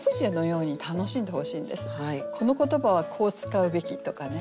「この言葉はこう使うべき」とかね